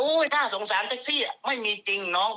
อุ๊ยน่าสงสารจ้องเปรียบไม่มีจริงน้อง